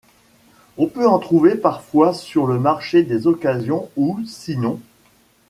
On peut en trouver parfois sur le marché des occasions, ou sinon...